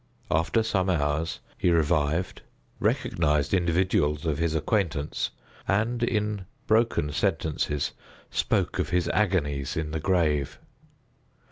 After some hours he revived, recognized individuals of his acquaintance, and, in broken sentences spoke of his agonies in the grave.